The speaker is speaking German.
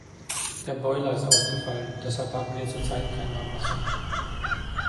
Der Boiler ist ausgefallen, deshalb haben wir zurzeit kein Warmwasser.